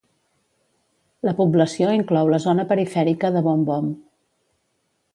La població inclou la zona perifèrica de Bombom.